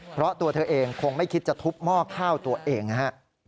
เพราะตัวเธอเองคงไม่คิดจะทุบหม้อข้าวตัวเองนะฮะ